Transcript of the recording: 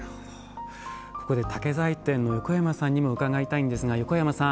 ここで竹材店の横山さんにも伺いたいんですが横山さん。